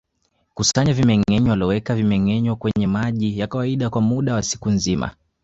Kusanya vimengenywa loweka vimengenywa kwenye maji ya kawaida kwa muda wa siku nzima